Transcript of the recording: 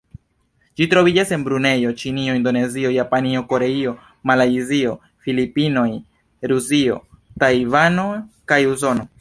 Ĝi troviĝas en Brunejo, Ĉinio, Indonezio, Japanio, Koreio, Malajzio, Filipinoj, Rusio, Tajvano kaj Usono.